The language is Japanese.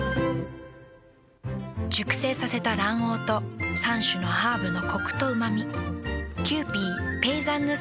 熟成させた卵黄と３種のハーブのコクとうま味。